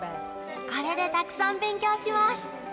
これでたくさん勉強します。